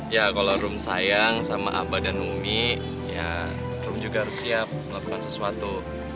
ya kalau room sayang sama abah dan mumi ya room juga harus siap melakukan sesuatu